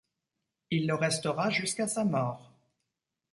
Il le restera jusqu'à sa mort.